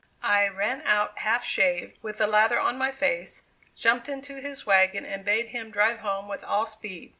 I ran out half shaved, with the lather on my face, jumped into his wagon and bade him drive home with all speed.